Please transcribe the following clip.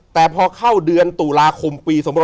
แต่พอเข้าเดือนตุลาคมปี๒๕๖๒